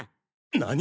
何！？